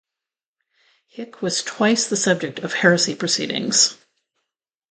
Hick was twice the subject of heresy proceedings.